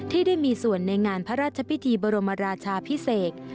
ที่ได้มีส่วนในงานพระราชพิธีบรมราชาพิเศษ